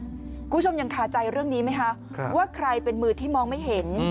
คุณผู้ชมยังคาใจเรื่องนี้ไหมคะว่าใครเป็นมือที่มองไม่เห็น